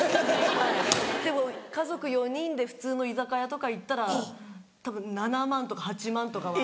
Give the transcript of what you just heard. でも家族４人で普通の居酒屋とか行ったらたぶん７万とか８万とかは。